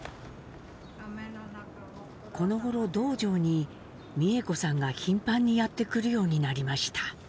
このごろ洞場に美江子さんが頻繁にやって来るようになりました。